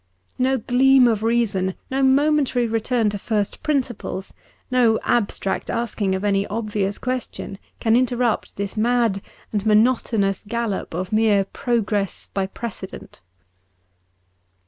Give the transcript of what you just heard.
No gleam of reason, no momentary return to first principles, no abstract asking of any obvious question, can interrupt this mad and monotonous gallop of mere progress by precedent.